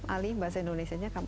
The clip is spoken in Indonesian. ali bahasa indonesia nya